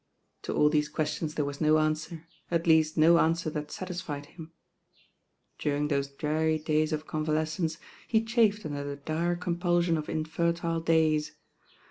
To all these que Jtions there was no answer, at least no answer that satisfied him. During those dreary days of convalescence he chafed under the "dire compulsion of infertile days."